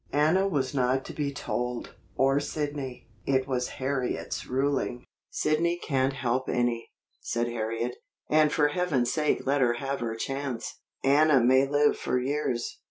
Anna was not to be told, or Sidney. It was Harriet's ruling. "Sidney can't help any," said Harriet, "and for Heaven's sake let her have her chance. Anna may live for years.